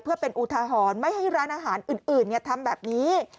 เพื่อเป็นอุทหรณ์ไม่ให้ร้านอาหารอื่นทำแบบนี้